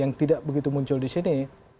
yang tidak begitu muncul di sini